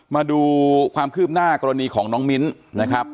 มาดูความคืบหน้ากรณีของน้องมิ้นนะครับ